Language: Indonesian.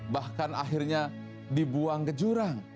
bahkan akhirnya dibuang ke jurang